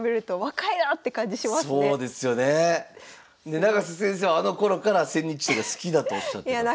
で永瀬先生はあのころから千日手が好きだとおっしゃってたという。